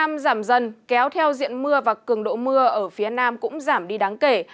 nhiệt độ giảm dần kéo theo diện mưa và cường độ mưa ở phía nam cũng giảm đi đáng kể